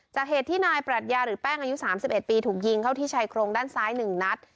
เหตุที่นายปรัชญาหรือแป้งอายุ๓๑ปีถูกยิงเข้าที่ชายโครงด้านซ้าย๑นัด